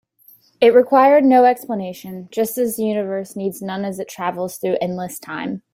It required no explanation, just as the universe needs none as it travels through endless time.